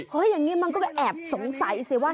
อย่างนี้มันก็แอบสงสัยสิว่า